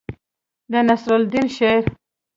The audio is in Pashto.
د نصر لودي شعر.